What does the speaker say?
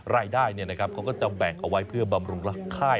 รายได้เนี่ยนะครับเขาก็จะแบ่งเอาไว้เพื่อบำรุงรักค่าย